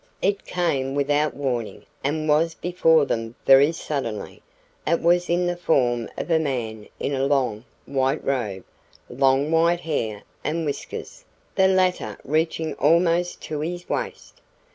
It came without warning and was before them very suddenly. It was in the form of a man in a long, white robe, long white hair and whiskers, the latter reaching almost to his waist.